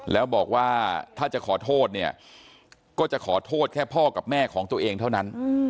แล้วบอกว่าถ้าจะขอโทษเนี่ยก็จะขอโทษแค่พ่อกับแม่ของตัวเองเท่านั้น